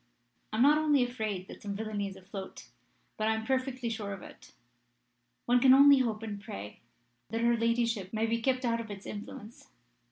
I am not only afraid that some villainy is afloat, but I am perfectly sure of it. One can only hope and pray that her ladyship may be kept out of its influence.